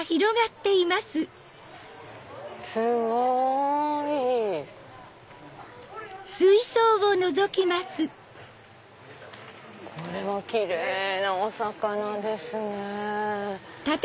すごい！これはキレイなお魚ですね。